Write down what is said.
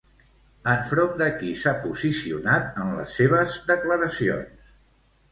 Enfront de qui s'ha posicionat en les seves declaracions?